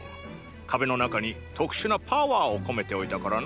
壁の中に特殊なパワアを込めておいたからな。